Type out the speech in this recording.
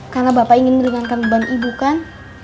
karena bapak ingin meringankan beban ibu kan